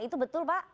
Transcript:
itu betul pak